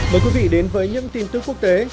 mời quý vị đến với những tin tức quốc tế